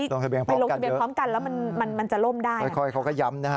ลงทะเบียนพร้อมกันเยอะค่อยเขาก็ย้ำนะคะ